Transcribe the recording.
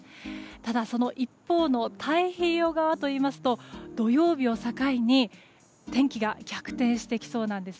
ただ、その一方の太平洋側といいますと土曜日を境に天気が逆転してきそうです。